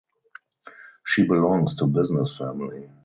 She belongs to business family.